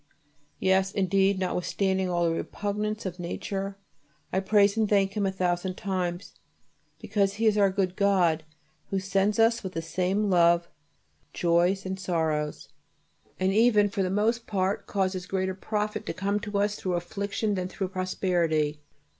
Yes, indeed, notwithstanding all the repugnance of nature, I praise and thank Him a thousand times, because He is our good God, who sends us with the same love joys and sorrows, and even for the most part causes greater profit to come to us through affliction than through prosperity.